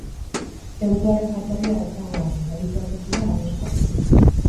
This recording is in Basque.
Tenpluaren jatorria ez dago argi, adituak ez dira ados jartzen.